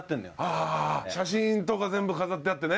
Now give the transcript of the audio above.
あ写真とか全部飾ってあってね。